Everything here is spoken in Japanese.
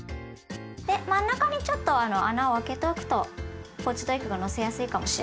で真ん中にちょっと穴を開けておくとポーチドエッグをのせやすいかもしれないですね。